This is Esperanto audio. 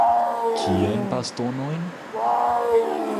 Kiajn bastonojn?